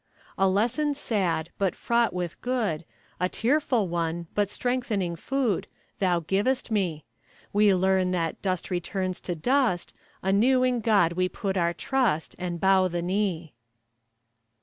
A lesson sad, but fraught with good A tearful one, but strengthening food Thou givest me; We learn that "dust returns to dust," Anew in God we put our trust, And bow the knee.